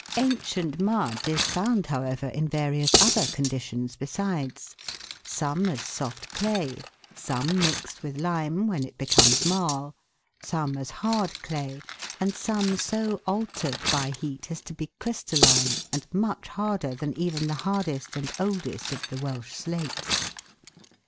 Ancient mud is found, however, in various other con ditions besides ; some as soft clay, some mixed with lime, when it becomes marl, some as hard clay, and some so altered by heat as to be crystalline, and much harder than even the hardest and oldest of the Welsh slates.